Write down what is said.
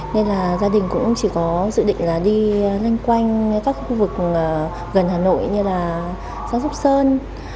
nên là gia đình cũng chỉ có dự định là đi lanh quanh các khu vực gần hà nội như là giáo dục sơn